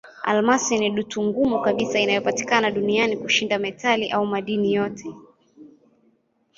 Almasi ni dutu ngumu kabisa inayopatikana duniani kushinda metali au madini yote.